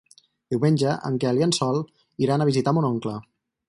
Diumenge en Quel i en Sol iran a visitar mon oncle.